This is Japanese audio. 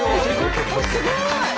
すごい！